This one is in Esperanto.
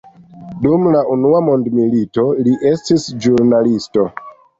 Dum la Unua mondmilito, li estis ĵurnalisto.